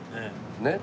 ねっ？